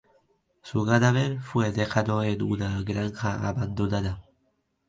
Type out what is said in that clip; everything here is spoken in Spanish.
Su cadáver fue dejado en una granja abandonada.